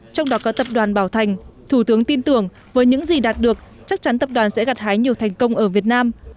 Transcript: trong đó có tập đoàn bảo thành thủ tướng tin tưởng với những gì đạt được chắc chắn tập đoàn sẽ gặt hái nhiều thành công ở việt nam